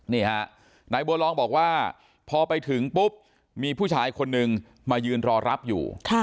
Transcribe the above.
นี่ฮะนายบัวลองบอกว่าพอไปถึงปุ๊บมีผู้ชายคนนึงมายืนรอรับอยู่